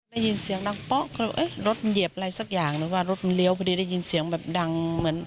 ได้ยินเสียงดังป๊อกก็เลยรถเหยียบอะไรสักอย่างหรือว่ารถมันเลี้ยวพอดีได้ยินเสียงแบบดังเหมือน